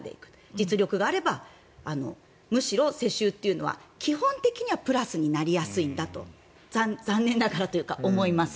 実力があればむしろ世襲というのは基本的にはプラスになりやすいんだと残念ながらというか思います。